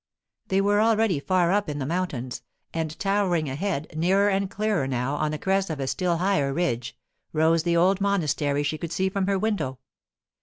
They were already far up in the mountains, and towering ahead, nearer and clearer now, on the crest of a still higher ridge, rose the old monastery she could see from her window.